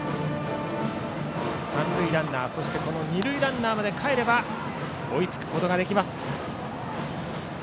三塁ランナー、そして二塁ランナーまでかえれば追いつくことができます。